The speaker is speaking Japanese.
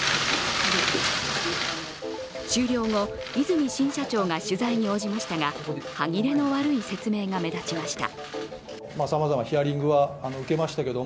終了後、和泉新社長が取材に応じましたが歯切れの悪い説明が目立ちました。